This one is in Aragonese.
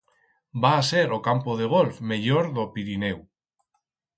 Va a ser o campo de golf mellor d'o Pirineu.